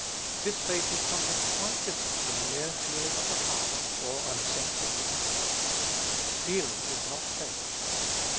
This faith is something quite different from a mere feeling of the heart, or an assent of the intellect. Feeling is not faith.